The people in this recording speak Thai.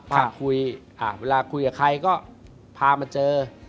ทางคุยเวลาคุยกับใครก็พามาเจอ